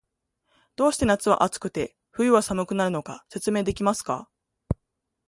どうして夏は暑くて、冬は寒くなるのか、説明できますか？